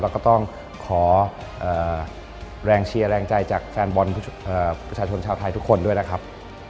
แล้วก็ต้องขอแรงเชียร์แรงใจจากแฟนบอลประชาชนชาวไทยทุกคนด้วยนะครับ